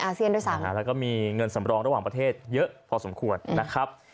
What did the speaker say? แล้วก็มีเงินสำรองระหว่างประเทศเยอะพอสมควรนะครับ